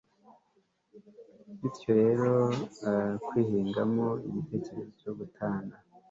bityo rero, kwihingamo igitekerezo cyo gutana